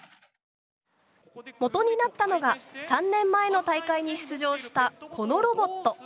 もとになったのが３年前の大会に出場したこのロボット。